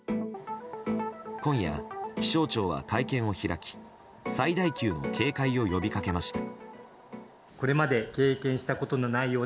今夜、気象庁は会見を開き最大級の警戒を呼びかけました。